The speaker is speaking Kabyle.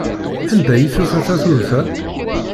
Anda ay tufa tafrut-a?